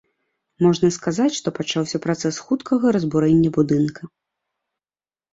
Можна сказаць, што пачаўся працэс хуткага разбурэння будынка.